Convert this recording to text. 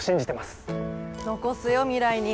残すよ未来に。